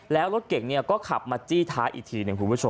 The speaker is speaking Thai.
แล้วรถเก่งก็ขับมาจี้ท้ายอีกที